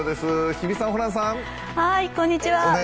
日比さん、ホランさん。